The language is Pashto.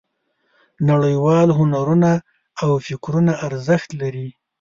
نړیوال هنرونه او فکرونه ارزښت لري.